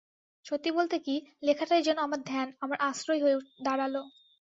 সত্যি বলতে কি, লেখাটাই যেন আমার ধ্যান আমার আশ্রয় হয়ে দাঁড়াল।